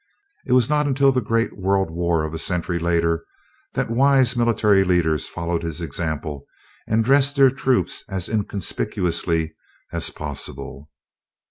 It was not until the great World War of a later century, that wise military leaders followed his example and dressed their troops as inconspicuously as possible.